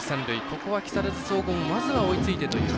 ここは木更津総合まずは追いついてという。